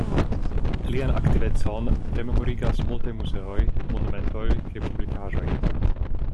Lian aktivecon rememorigas multaj muzeoj, monumentoj kaj publikaĵoj.